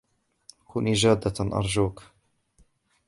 كوني جادًّة أرجوكِ.